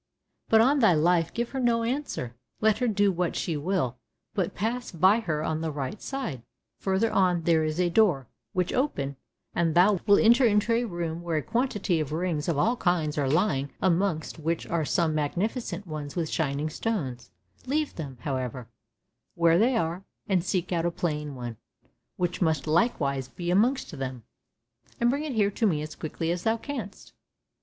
But on thy life give her no answer, let her do what she will, but pass by her on the right side; further on, there is a door, which open, and thou wilt enter into a room where a quantity of rings of all kinds are lying, amongst which are some magnificent ones with shining stones; leave them, however, where they are, and seek out a plain one, which must likewise be amongst them, and bring it here to me as quickly as thou canst."